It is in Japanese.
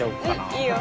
いいよ。